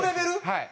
はい。